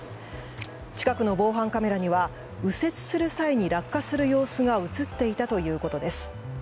近くの防犯カメラには右折する際に落下する様子が映っていたということです。